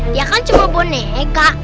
dia kan cuma boneka